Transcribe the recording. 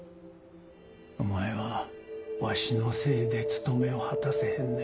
お前はわしのせいでつとめを果たせへんねん。